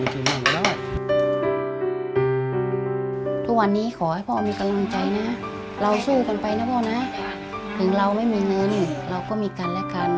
ถึงเราไม่มีเงินเราก็มีกันและกัน